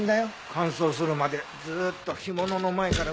乾燥するまでずーっと干物の前から動けなかった。